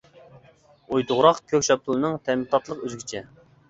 ئويتوغراق كۆك شاپتۇلىنىڭ، تەمى تاتلىق ئۆزگىچە.